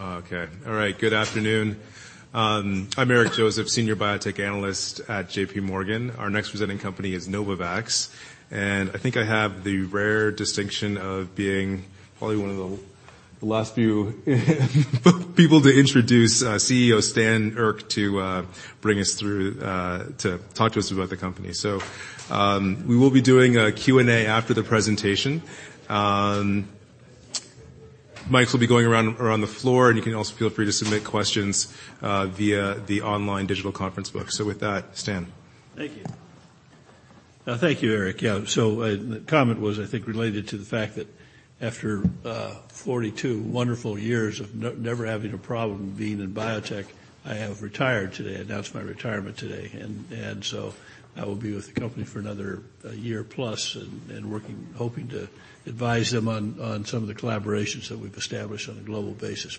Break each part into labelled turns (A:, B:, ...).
A: Okay. All right. Good afternoon. I'm Eric Joseph, Senior Biotech Analyst at JPMorgan. Our next presenting company is Novavax. I think I have the rare distinction of being probably one of the last few people to introduce our CEO, Stan Erck, to bring us through to talk to us about the company. We will be doing a Q&A after the presentation. Mics will be going around the floor, and you can also feel free to submit questions via the online digital conference book. With that, Stan.
B: Thank you, Eric. The comment was, I think, related to the fact that after 42 wonderful years of never having a problem being in biotech, I have retired today. I announced my retirement today. I will be with the company for another year plus and working, hoping to advise them on some of the collaborations that we've established on a global basis.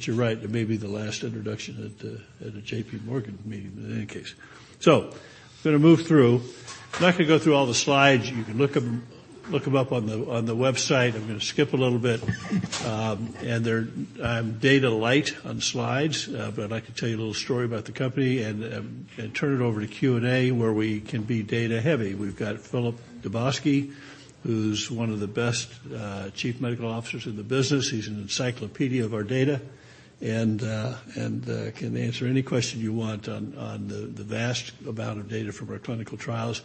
B: You're right. It may be the last introduction at a JPMorgan meeting, but in any case. I'm gonna move through. I'm not gonna go through all the slides. You can look them up on the website. I'm gonna skip a little bit. Data light on slides, but I can tell you a little story about the company and turn it over to Q&A, where we can be data-heavy. We've got Filip Dubovský, who's one of the best Chief Medical Officers in the business. He's an encyclopedia of our data and can answer any question you want on the vast amount of data from our clinical trials.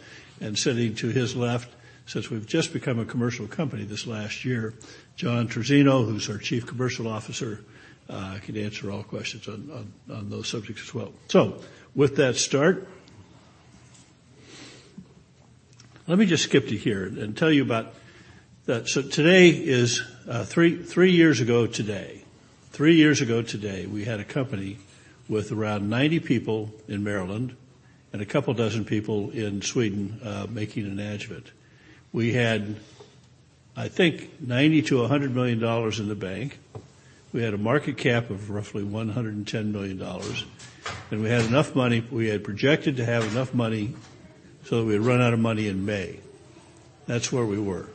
B: Sitting to his left, since we've just become a commercial company this last year, John Trizzino, who's our Chief Commercial Officer, can answer all questions on those subjects as well. With that start, let me just skip to here and tell you about that. Today is three years ago today. Three years ago today, we had a company with around 90 people in Maryland and a couple dozen people in Sweden, making an adjuvant. We had, I think, $90 million-$100 million in the bank. We had a market cap of roughly $110 million, and we had enough money. We had projected to have enough money so that we'd run out of money in May. That's where we were.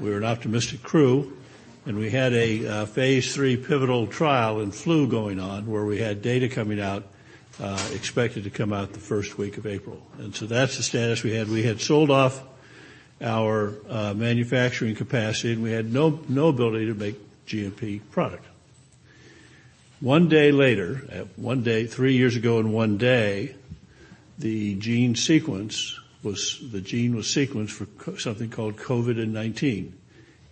B: We were an optimistic crew, and we had a phase III pivotal trial in flu going on, where we had data coming out, expected to come out the first week of April. That's the status we had. We had sold off our manufacturing capacity, and we had no ability to make GMP product. one day later, one day, three years ago and one day, the gene was sequenced for something called COVID-19.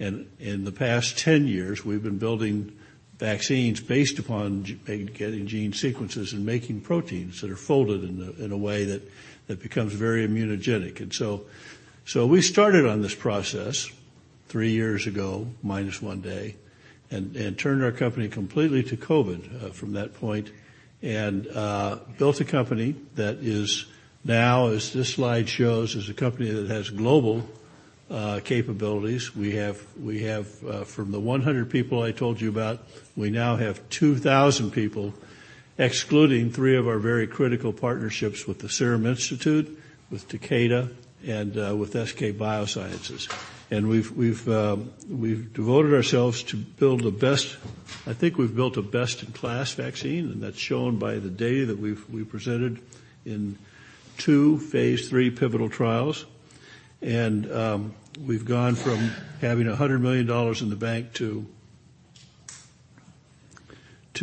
B: In the past 10 years, we've been building vaccines based upon getting gene sequences and making proteins that are folded in a way that becomes very immunogenic. So we started on this process three years ago, minus one day, and turned our company completely to COVID from that point, and built a company that is now, as this slide shows, a company that has global capabilities. We have from the 100 people I told you about, we now have 2,000 people, excluding three of our very critical partnerships with the Serum Institute, with Takeda, and with SK bioscience. We've devoted ourselves to build the best. I think we've built a best-in-class vaccine, and that's shown by the data that we presented in two phase III pivotal trials. We've gone from having $100 million in the bank to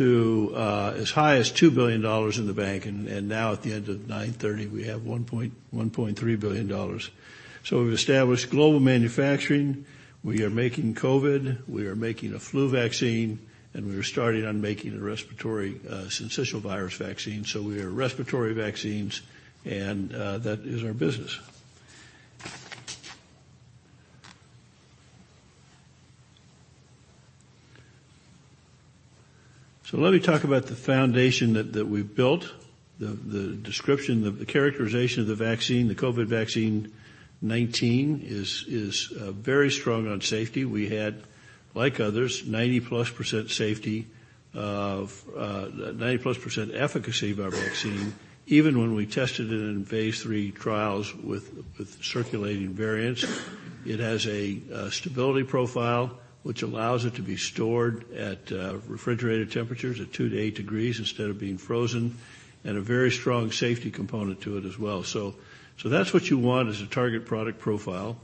B: as high as $2 billion in the bank. Now at the end of 9/30, we have $1.3 billion. We've established global manufacturing. We are making COVID. We are making a flu vaccine, and we are starting on making a Respiratory Syncytial Virus vaccine. We are respiratory vaccines, and that is our business. Let me talk about the foundation that we've built. The description, the characterization of the vaccine, the COVID vaccine 19, is very strong on safety. We had, like others, 90%+ safety of 90%+ efficacy of our vaccine, even when we tested it in phase III trials with circulating variants. It has a stability profile which allows it to be stored at refrigerated temperatures at 2 to 8 degrees instead of being frozen, and a very strong safety component to it as well. That's what you want as a target product profile.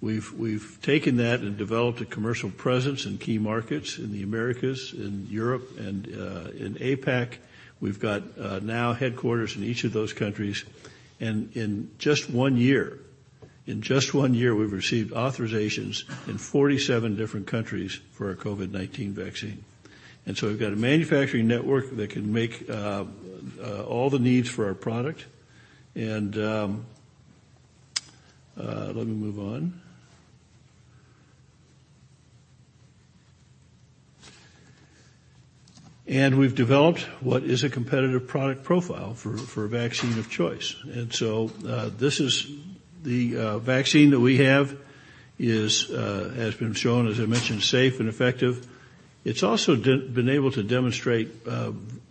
B: We've taken that and developed a commercial presence in key markets in the Americas, in Europe, and in APAC. We've got now headquarters in each of those countries. In just one year, we've received authorizations in 47 different countries for our COVID-19 vaccine. We've got a manufacturing network that can make all the needs for our product. Let me move on. We've developed what is a competitive product profile for a vaccine of choice. The vaccine that we have has been shown, as I mentioned, safe and effective. It's also been able to demonstrate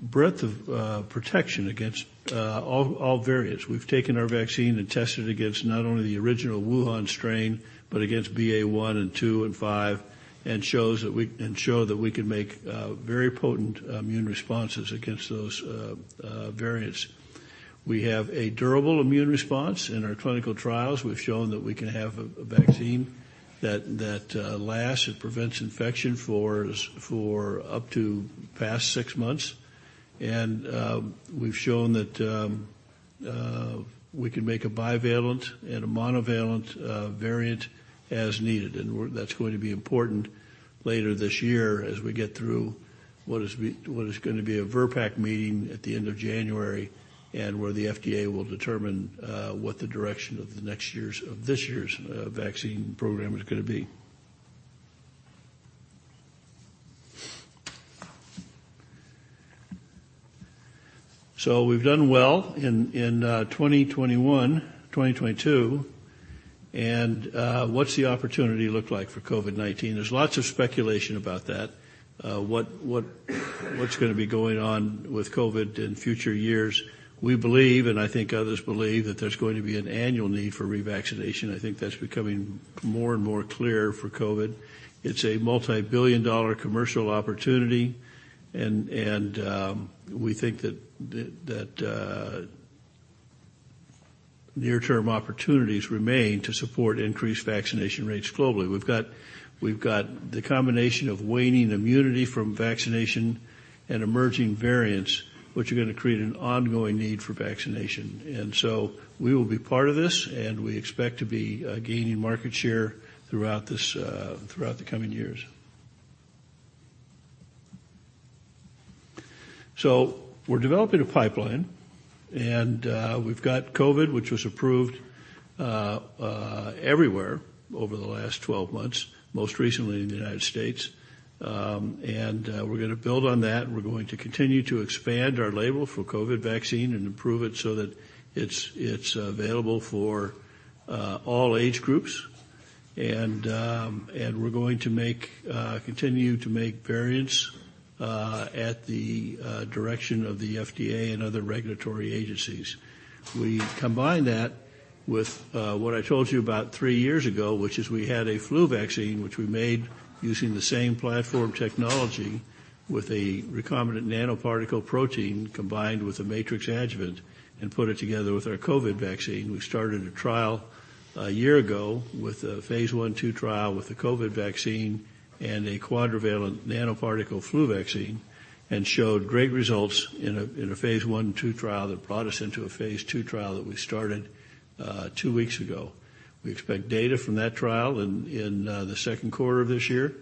B: breadth of protection against all variants. We've taken our vaccine and tested it against not only the original Wuhan strain but against BA.1 and 2 and 5, and show that we can make very potent immune responses against those variants. We have a durable immune response. In our clinical trials, we've shown that we can have a vaccine that lasts and prevents infection for up to past six months. We've shown that we can make a bivalent and a monovalent variant as needed. That's going to be important later this year as we get through what is going to be a VRBPAC meeting at the end of January, and where the FDA will determine what the direction of this year's vaccine program is going to be. We've done well in 2021, 2022. What's the opportunity look like for COVID-19? There's lots of speculation about that, what's going to be going on with COVID in future years. We believe, and I think others believe, that there's going to be an annual need for revaccination. I think that's becoming more and more clear for COVID. It's a multibillion-dollar commercial opportunity, and we think that near-term opportunities remain to support increased vaccination rates globally. We've got the combination of waning immunity from vaccination and emerging variants, which are gonna create an ongoing need for vaccination. We will be part of this, and we expect to be gaining market share throughout this, throughout the coming years. We're developing a pipeline, and we've got COVID, which was approved everywhere over the last 12 months, most recently in the United States. We're gonna build on that, and we're going to continue to expand our label for COVID vaccine and improve it so that it's available for all age groups. We're going to continue to make variants at the direction of the FDA and other regulatory agencies. We combine that with what I told you about three years ago, which is we had a flu vaccine which we made using the same platform technology with a recombinant nanoparticle protein combined with a Matrix adjuvant and put it together with our COVID vaccine. We started a trial one year ago with a phase I and II trial with the COVID vaccine and a quadrivalent nanoparticle flu vaccine and showed great results in a phase I and II trial that brought us into a phase II trial that we started two weeks ago. We expect data from that trial in the 2nd quarter of this year,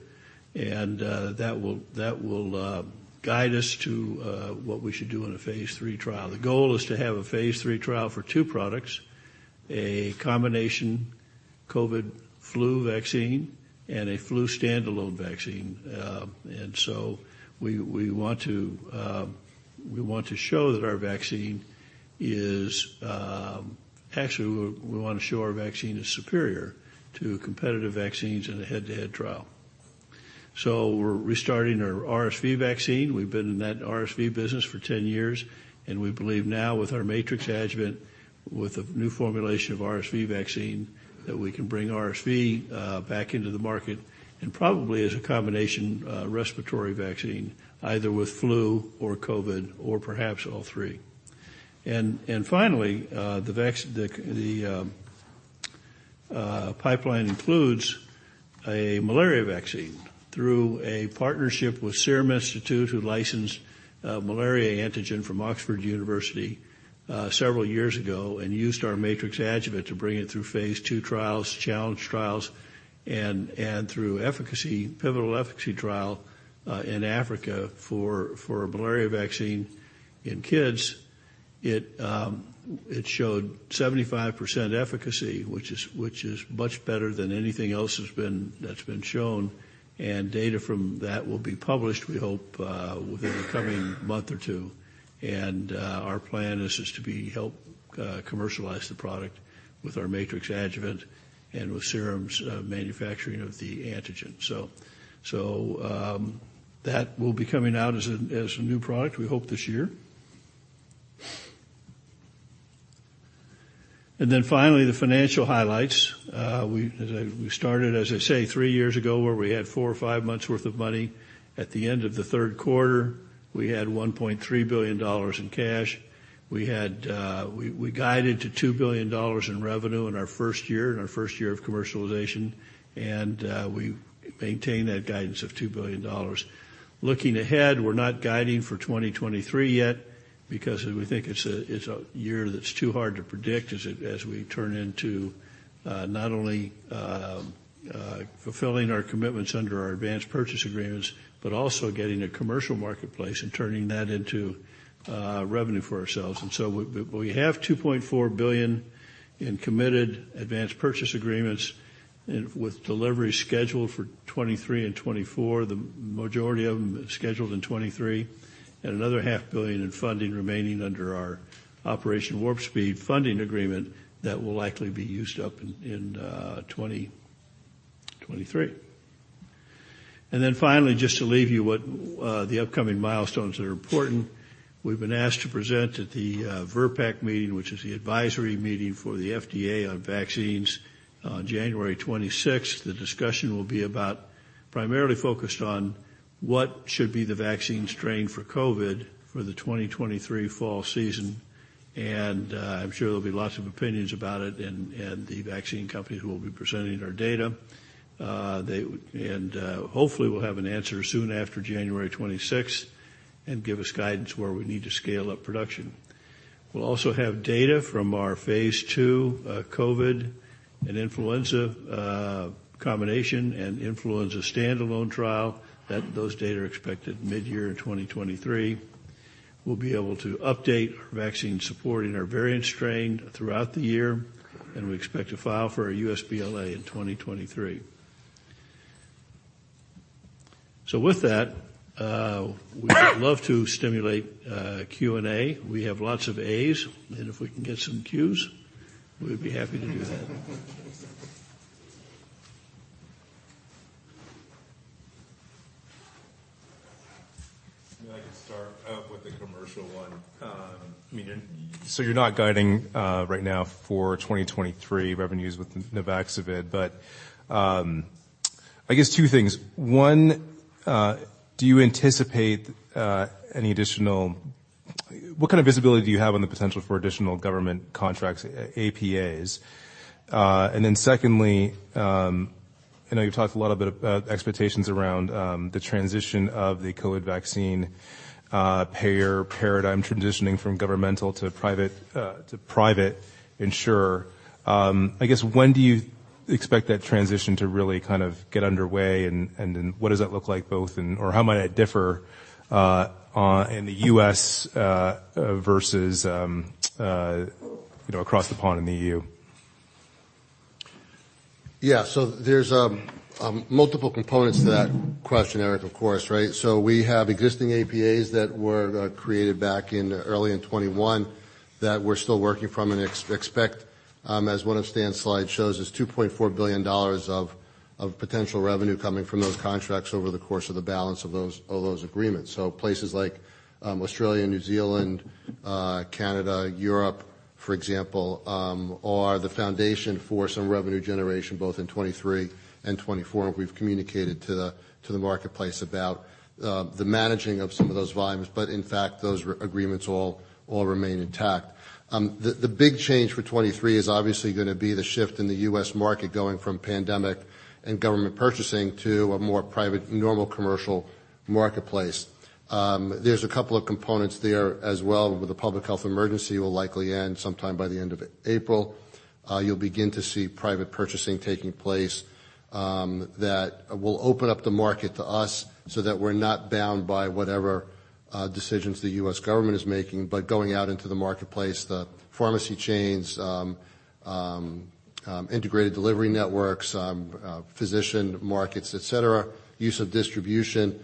B: that will guide us to what we should do in a phase III trial. The goal is to have a phase III trial for two products, a combination COVID flu vaccine and a flu standalone vaccine. Actually, we want to show our vaccine is superior to competitive vaccines in a head-to-head trial. We're restarting our RSV vaccine. We've been in that RSV business for 10 years, and we believe now with our Matrix adjuvant, with a new formulation of RSV vaccine, that we can bring RSV back into the market and probably as a combination respiratory vaccine, either with flu or COVID or perhaps all three. Finally, the pipeline includes a malaria vaccine through a partnership with Serum Institute, who licensed a malaria antigen from University of Oxford several years ago and used our Matrix adjuvant to bring it through phase II trials, challenge trials, and through efficacy, pivotal efficacy trial in Africa for a malaria vaccine in kids. It showed 75% efficacy, which is much better than anything else that's been shown. Data from that will be published, we hope, within the coming month or two. Our plan is just to be help commercialize the product with our Matrix adjuvant and with Serum's manufacturing of the antigen. That will be coming out as a new product, we hope this year. Finally, the financial highlights. We started, as I say, three years ago, where we had four or five months' worth of money. At the end of the third quarter, we had $1.3 billion in cash. We had, we guided to $2 billion in revenue in our first year, in our first year of commercialization, and we maintained that guidance of $2 billion. Looking ahead, we're not guiding for 2023 yet because we think it's a year that's too hard to predict as we turn into not only fulfilling our commitments under our advanced purchase agreements but also getting a commercial marketplace and turning that into revenue for ourselves. We have $2.4 billion in committed advanced purchase agreements and with delivery scheduled for 2023 and 2024. The majority of them scheduled in 2023, and another half billion in funding remaining under our Operation Warp Speed funding agreement that will likely be used up in, 2023.
C: Finally, just to leave you what the upcoming milestones that are important, we've been asked to present at the VRBPAC meeting, which is the advisory meeting for the FDA on vaccines on January 26th. The discussion will be about primarily focused on what should be the vaccine strain for COVID for the 2023 fall season. I'm sure there'll be lots of opinions about it, and the vaccine companies will be presenting our data. Hopefully we'll have an answer soon after January 26th and give us guidance where we need to scale up production. We'll also have data from our phase II COVID and influenza combination and influenza standalone trial. That those data are expected midyear 2023. We'll be able to update our vaccine support in our variant strain throughout the year. We expect to file for a U.S. BLA in 2023. With that, we would love to stimulate Q&A. We have lots of A's, and if we can get some Q's, we'd be happy to do that.
A: I can start with the commercial one. I mean, you're not guiding right now for 2023 revenues with Nuvaxovid. I guess two things. One, do you anticipate any additional What kind of visibility do you have on the potential for additional government contracts APAs? Secondly, I know you've talked a lot about expectations around the transition of the COVID vaccine payer paradigm transitioning from governmental to private insurer. I guess, when do you expect that transition to really kind of get underway, and then what does that look like both and or how might that differ in the U.S. versus, you know, across the pond in the EU?
C: Yeah. There's multiple components to that question, Eric, of course, right? We have existing APAs that were created back in early in 2021 that we're still working from and expect, as one of Stan's slide shows, is $2.4 billion of potential revenue coming from those contracts over the course of the balance of those agreements. Places like Australia, New Zealand, Canada, Europe, for example, are the foundation for some revenue generation both in 2023 and 2024. We've communicated to the marketplace about the managing of some of those volumes, but in fact, those agreements all remain intact. The big change for 2023 is obviously gonna be the shift in the U.S. market going from pandemic and government purchasing to a more private, normal commercial marketplace. There's a couple of components there as well. The public health emergency will likely end sometime by the end of April. You'll begin to see private purchasing taking place, that will open up the market to us so that we're not bound by whatever decisions the U.S. government is making, but going out into the marketplace, the pharmacy chains, integrated delivery networks, physician markets, etc., use of distribution,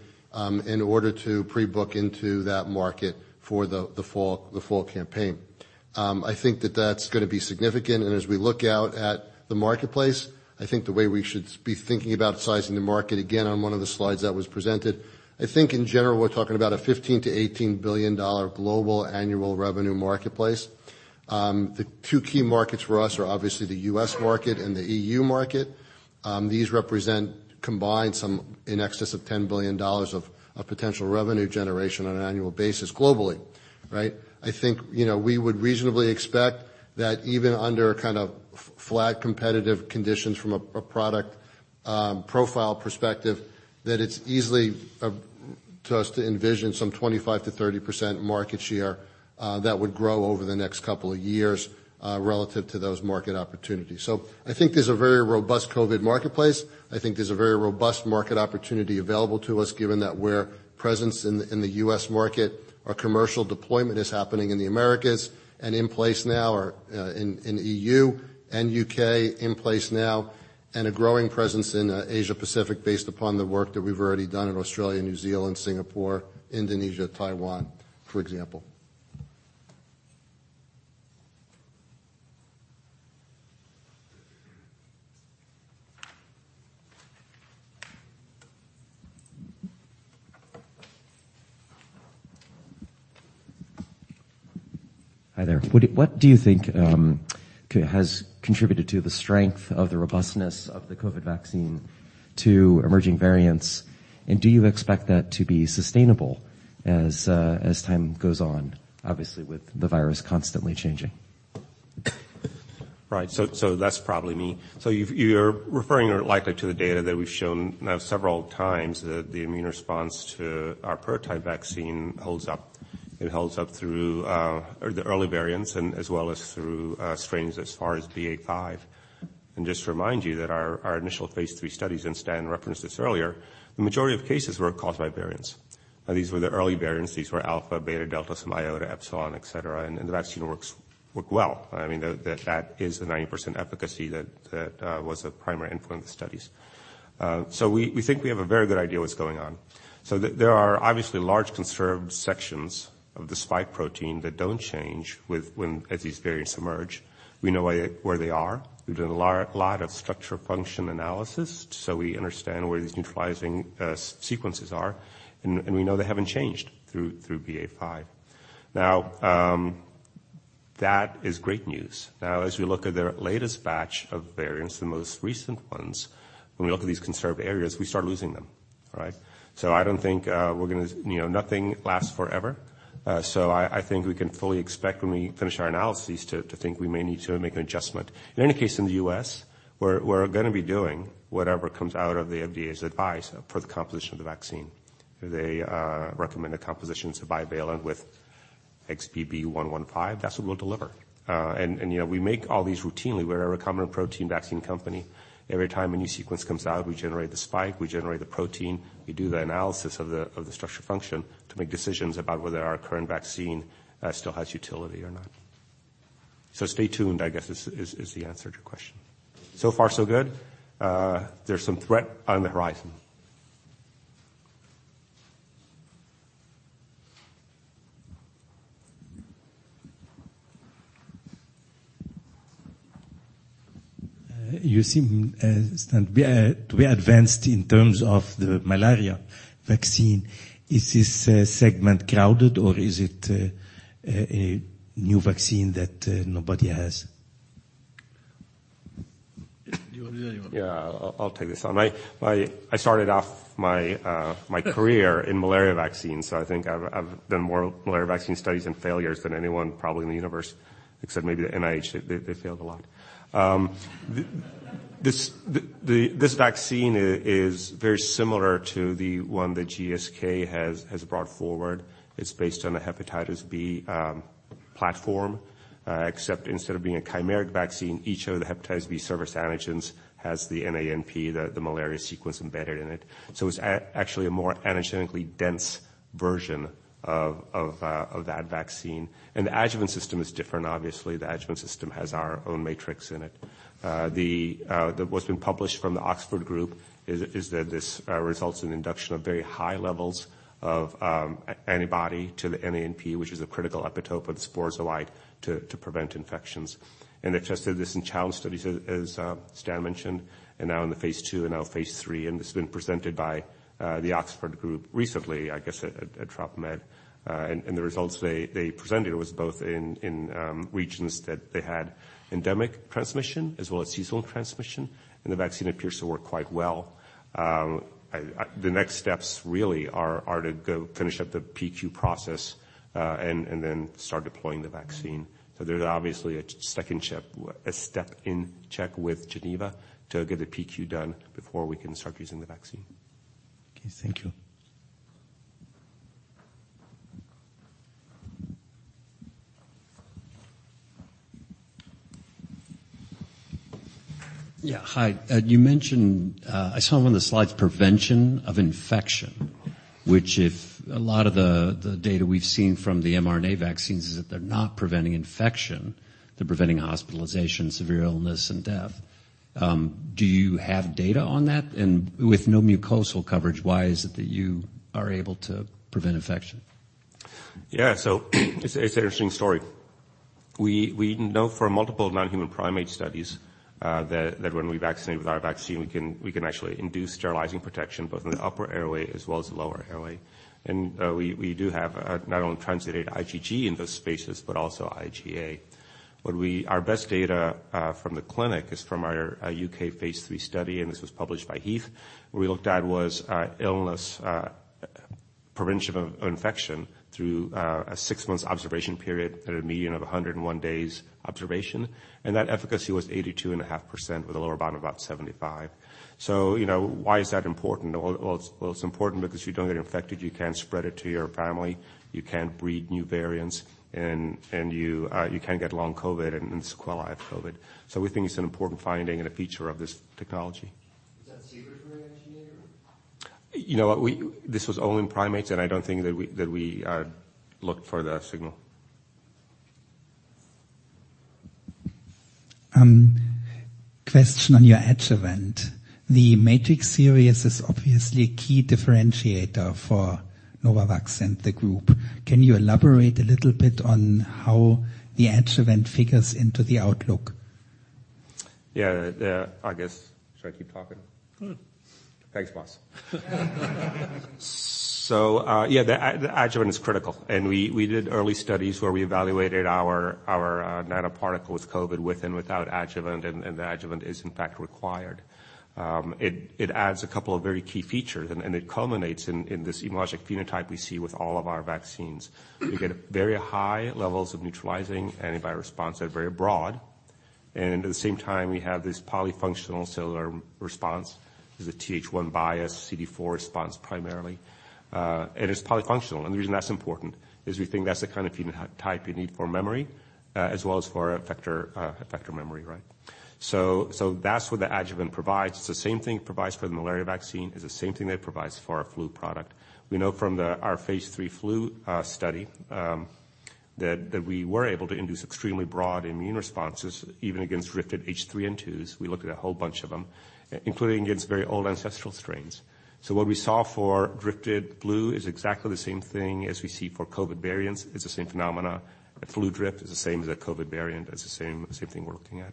C: in order to pre-book into that market for the fall campaign. I think that's gonna be significant, and as we look out at the marketplace, I think the way we should be thinking about sizing the market again on one of the slides that was presented, I think in general, we're talking about a $15 billion-$18 billion global annual revenue marketplace. The two key markets for us are obviously the U.S. market and the EU market. These represent combined some in excess of $10 billion of potential revenue generation on an annual basis globally. I think, you know, we would reasonably expect that even under kind of flat competitive conditions from a product profile perspective, that it's easily to us to envision some 25%-30% market share that would grow over the next couple of years relative to those market opportunities. I think there's a very robust COVID marketplace. I think there's a very robust market opportunity available to us given that we're presence in the U.S. market. Our commercial deployment is happening in the Americas and in place now or in the E.U. and U.K. in place now, and a growing presence in Asia-Pacific based upon the work that we've already done in Australia, New Zealand, Singapore, Indonesia, Taiwan, for example.
D: Hi there. What do you think has contributed to the strength of the robustness of the COVID vaccine to emerging variants, and do you expect that to be sustainable as time goes on, obviously with the virus constantly changing?
E: Right. That's probably me. You're referring likely to the data that we've shown now several times that the immune response to our prototype vaccine holds up. It holds up through the early variants and as well as through strains as far as BA.5. Just to remind you that our initial phase III studies, and Stan referenced this earlier, the majority of cases were caused by variants. These were the early variants. These were Alpha, Beta, Delta, some Iota, Epsilon, etc., and the vaccine worked well. I mean, that is the 90% efficacy that was the primary influence studies. We think we have a very good idea what's going on. There are obviously large conserved sections of the spike protein that don't change with when as these variants emerge. We know where they are. We've done a lot of structure function analysis, so we understand where these neutralizing sequences are, and we know they haven't changed through BA.5. That is great news. As we look at their latest batch of variants, the most recent ones, when we look at these conserved areas, we start losing them, right? I don't think, we're gonna, you know, nothing lasts forever. I think we can fully expect when we finish our analyses to think we may need to make an adjustment. In any case, in the U.S., we're gonna be doing whatever comes out of the FDA's advice for the composition of the vaccine. If they recommend a composition to bivalent with XBB.1.5, that's what we'll deliver. You know, we make all these routinely. We're a recombinant protein vaccine company. Every time a new sequence comes out, we generate the spike, we generate the protein, we do the analysis of the structure function to make decisions about whether our current vaccine still has utility or not. Stay tuned, I guess, is the answer to your question. Far so good. There's some threat on the horizon.
F: You seem, Stan, we are very advanced in terms of the malaria vaccine. Is this segment crowded, or is it a new vaccine that nobody has?
E: Yeah, I'll take this on. I started off my career in malaria vaccines, so I think I've done more malaria vaccine studies and failures than anyone probably in the universe, except maybe the NIH. They failed a lot. This vaccine is very similar to the one that GSK has brought forward. It's based on a hepatitis B platform, except instead of being a chimeric vaccine, each of the hepatitis B surface antigens has the NANP, the malaria sequence embedded in it. It's actually a more antigenically dense version of that vaccine. The adjuvant system is different, obviously. The adjuvant system has our own Matrix in it. The what's been published from the Oxford Vaccine Group is that this results in induction of very high levels of antibody to the NANP, which is a critical epitope of the spores alike to prevent infections. They've tested this in challenge studies, as Stan mentioned, and now in the phase II and now phase III, and it's been presented by the Oxford Vaccine Group recently, I guess, at Trop Med. The results they presented was both in regions that they had endemic transmission as well as seasonal transmission, and the vaccine appears to work quite well. The next steps really are to go finish up the PQ process, and then start deploying the vaccine. There's obviously a second check, a step in check with Geneva to get the PQ done before we can start using the vaccine.
F: Okay. Thank you.
G: Yeah. Hi. You mentioned, I saw on the slides prevention of infection, which if a lot of the data we've seen from the mRNA vaccines is that they're not preventing infection, they're preventing hospitalization, severe illness, and death. Do you have data on that? With no mucosal coverage, why is it that you are able to prevent infection?
E: Yeah. It's an interesting story. We know from multiple non-human primate studies, that when we vaccinate with our vaccine, we can actually induce sterilizing protection both in the upper airway as well as the lower airway. We do have not only translated IgG in those spaces but also IgA. Our best data from the clinic is from our U.K. phase III study, and this was published by Heath. What we looked at was illness prevention of infection through a six months observation period at a median of 101 days observation. That efficacy was 82.5% with a lower bound of about 75%. You know, why is that important? Well, it's important because you don't get infected, you can't spread it to your family, you can't breed new variants, and you can't get long COVID and sequelae of COVID. We think it's an important finding and a feature of this technology.
C: Is that secret for IgA?
E: You know what? This was all in primates, and I don't think that we looked for the signal.
H: Question on your adjuvant? The Matrix series is obviously a key differentiator for Novavax and the group. Can you elaborate a little bit on how the adjuvant figures into the outlook?
E: Yeah. Yeah. I guess, should I keep talking?
H: Mm-hmm.
E: Thanks, boss. Yeah, the adjuvant is critical. We did early studies where we evaluated our nanoparticle with COVID with and without adjuvant, and the adjuvant is in fact required. It adds a couple of very key features, and it culminates in this immunologic phenotype we see with all of our vaccines. We get very high levels of neutralizing antibody response that are very broad, and at the same time, we have this polyfunctional cellular response. There's a Th1 bias, CD4 response primarily, and it's polyfunctional. The reason that's important is we think that's the kind of phenotype you need for memory, as well as for effector memory, right? That's what the adjuvant provides. It's the same thing it provides for the malaria vaccine. It's the same thing that it provides for our flu product. We know from our phase III flu study that we were able to induce extremely broad immune responses, even against drifted H3N2s. We looked at a whole bunch of them, including against very old ancestral strains. What we saw for drifted flu is exactly the same thing as we see for COVID variants. It's the same phenomena. Flu drift is the same as a COVID variant. That's the same thing we're looking at.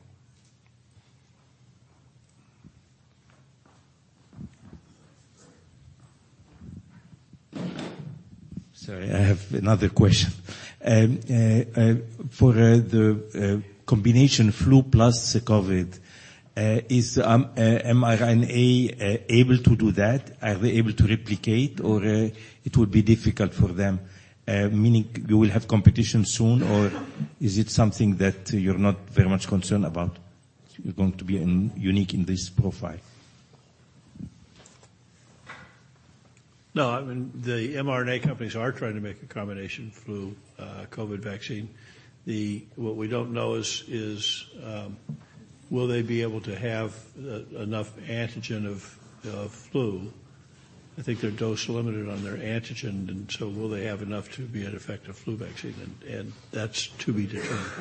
H: Sorry, I have another question. For the combination flu plus COVID, is mRNA able to do that? Are they able to replicate or it will be difficult for them? Meaning we will have competition soon or is it something that you're not very much concerned about? You're going to be un-unique in this profile?
B: No, I mean, the mRNA companies are trying to make a combination flu, COVID vaccine. What we don't know is, will they be able to have enough antigen of flu? I think they're dose limited on their antigen and so will they have enough to be an effective flu vaccine and that's to be determined.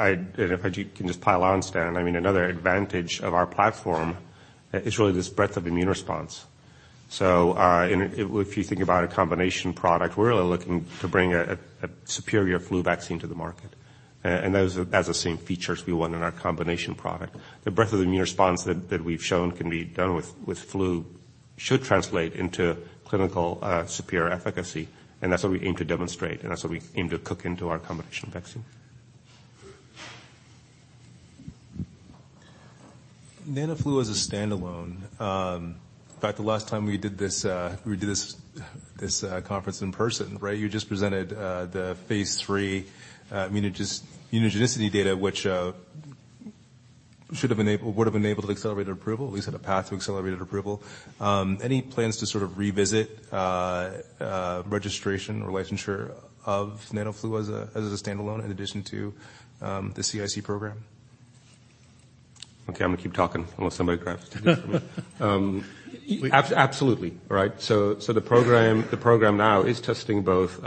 E: I, if I can just pile on, Stan. I mean, another advantage of our platform is really this breadth of immune response. If you think about a combination product, we're really looking to bring a superior flu vaccine to the market. That's the same features we want in our combination product. The breadth of immune response that we've shown can be done with flu should translate into clinical superior efficacy. That's what we aim to demonstrate, and that's what we aim to cook into our combination vaccine.
A: NanoFlu as a standalone. In fact, the last time we did this, we did this conference in person, right? You just presented, the phase III, immunogenicity data, which, would have enabled to accelerated approval, at least had a path to accelerated approval. Any plans to sort of revisit, registration or licensure of NanoFlu as a standalone in addition to, the CIC program?
E: Okay, I'm gonna keep talking unless somebody grabs the mic from me. absolutely, right? So the program now is testing both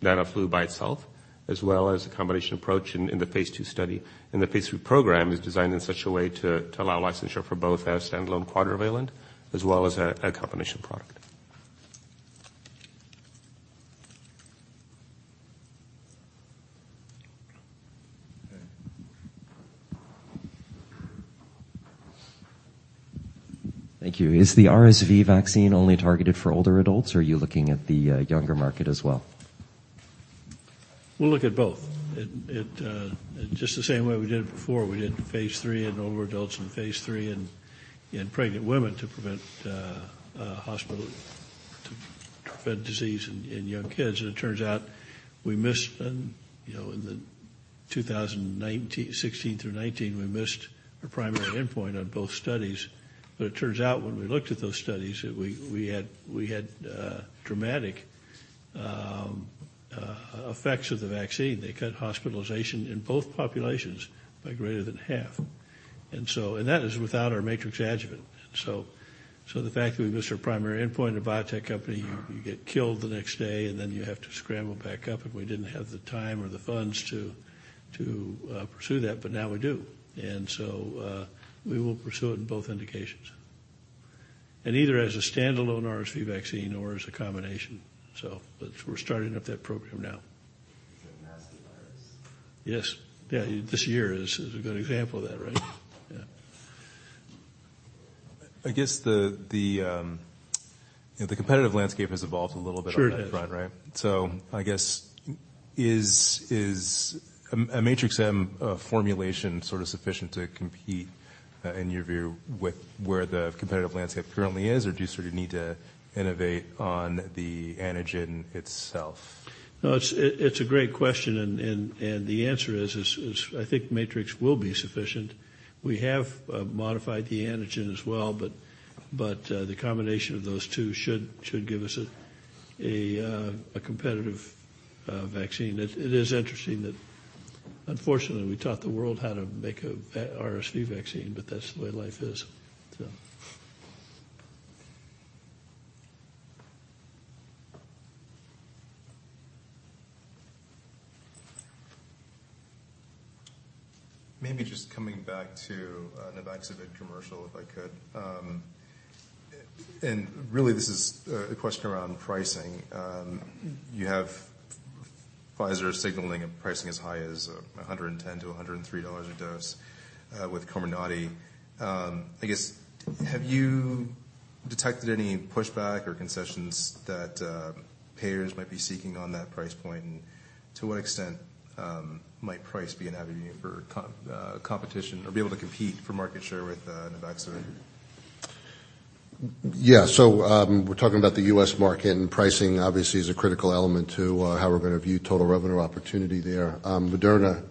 E: NanoFlu by itself as well as a combination approach in the phase II study. The phase III program is designed in such a way to allow licensure for both as standalone quadrivalent as well as a combination product.
A: Thank you. Is the RSV vaccine only targeted for older adults, or are you looking at the younger market as well?
B: We'll look at both. It, just the same way we did it before. We did the phase III in older adults and phase III in pregnant women to prevent hospital, to prevent disease in young kids. It turns out we missed, you know, in the 2016 through 2019, we missed the primary endpoint on both studies. It turns out when we looked at those studies that we had dramatic effects of the vaccine. They cut hospitalization in both populations by greater than half. That is without our Matrix adjuvant. So the fact that we missed our primary endpoint, a biotech company, you get killed the next day, and then you have to scramble back up, and we didn't have the time or the funds to pursue that. Now we do. We will pursue it in both indications. Either as a standalone RSV vaccine or as a combination. But we're starting up that program now.
A: It's a nasty virus.
B: Yes. Yeah, this year is a good example of that, right? Yeah.
A: I guess the, you know, the competitive landscape has evolved a little bit.
B: Sure it has.
A: -on that front, right? I guess is a Matrix-M formulation sort of sufficient to compete in your view with where the competitive landscape currently is? Do you sort of need to innovate on the antigen itself?
B: It's a great question. The answer is I think Matrix will be sufficient. We have modified the antigen as well, but the combination of those two should give us a competitive vaccine. It is interesting that unfortunately, we taught the world how to make a RSV vaccine, but that's the way life is, so.
A: Maybe just coming back to Nuvaxovid commercial, if I could. Really this is a question around pricing. You have Pfizer signaling and pricing as high as $110-$103 a dose with Comirnaty. I guess, have you detected any pushback or concessions that payers might be seeking on that price point? To what extent might price be an avenue for competition or be able to compete for market share with Nuvaxovid?
C: Yeah. We're talking about the U.S. market, and pricing obviously is a critical element to how we're gonna view total revenue opportunity there. Moderna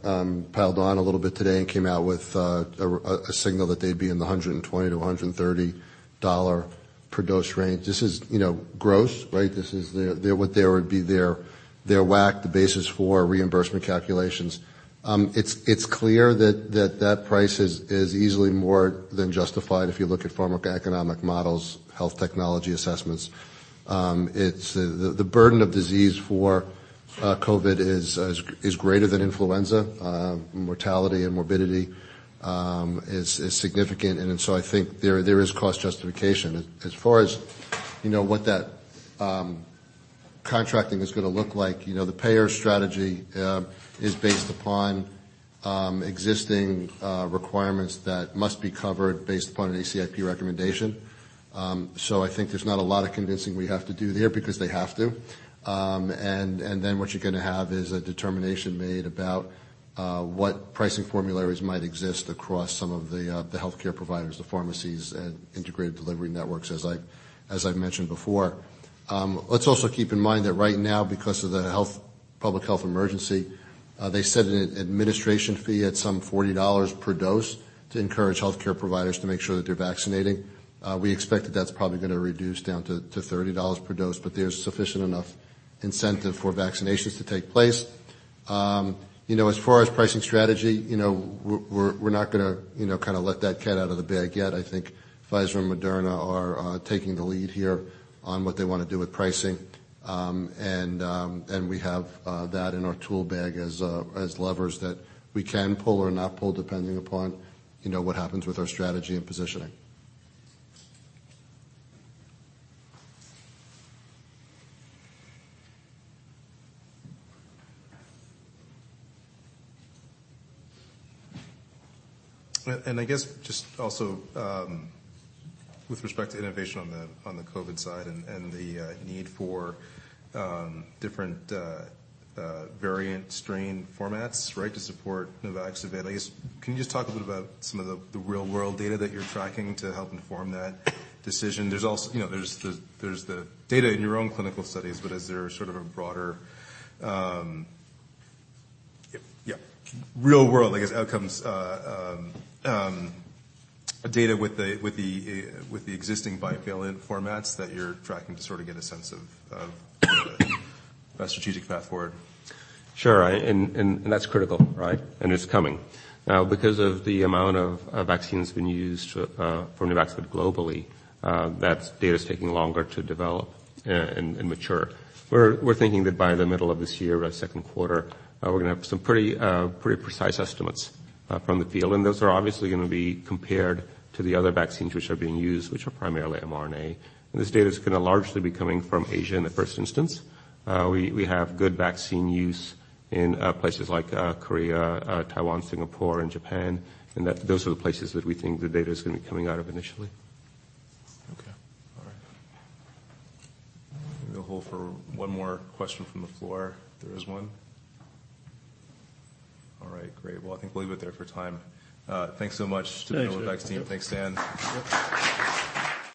C: piled on a little bit today and came out with a signal that they'd be in the $120-$130 per dose range. This is, you know, gross, right? This is their WAC, the basis for reimbursement calculations. It's clear that price is easily more than justified if you look at pharmacoeconomic models, health technology assessments. It's the burden of disease for COVID is greater than influenza. Mortality and morbidity is significant. I think there is cost justification. As far as, you know, what that Contracting is going to look like, you know, the payer strategy is based upon existing requirements that must be covered based upon an ACIP recommendation. I think there's not a lot of convincing we have to do there because they have to. And then what you're gonna have is a determination made about what pricing formularies might exist across some of the healthcare providers, the pharmacies, and integrated delivery networks, as I've mentioned before. Let's also keep in mind that right now, because of the public health emergency, they set an administration fee at some $40 per dose to encourage healthcare providers to make sure that they're vaccinating. We expect that that's probably gonna reduce down to $30 per dose. There's sufficient enough incentive for vaccinations to take place. You know, as far as pricing strategy, you know, we're not gonna, you know, kind of let that cat out of the bag yet. I think Pfizer and Moderna are taking the lead here on what they want to do with pricing. We have that in our tool bag as levers that we can pull or not pull, depending upon, you know, what happens with our strategy and positioning.
A: I guess just also, with respect to innovation on the COVID side and the need for different variant strain formats, right, to support Nuvaxovid. I guess, can you just talk a bit about some of the real world data that you're tracking to help inform that decision? There's also, you know, there's the data in your own clinical studies, but is there sort of a broader, yeah, real world, I guess, outcomes data with the existing bivalent formats that you're tracking to sort of get a sense of a strategic path forward?
E: Sure. That's critical, right? It's coming. Now because of the amount of vaccines being used for Nuvaxovid globally, that data is taking longer to develop and mature. We're thinking that by the middle of this year, by 2nd quarter, we're gonna have some pretty precise estimates from the field, and those are obviously gonna be compared to the other vaccines which are being used, which are primarily mRNA. This data is gonna largely be coming from Asia in the 1st instance. We have good vaccine use in places like Korea, Taiwan, Singapore and Japan, and those are the places that we think the data is gonna be coming out of initially.
A: Okay. All right. We'll hold for one more question from the floor, if there is one. All right, great. Well, I think we'll leave it there for time. Thanks so much to the Novavax team.
C: Thanks.
A: Thanks, Dan.